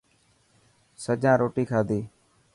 سڄان روتي کاڌي.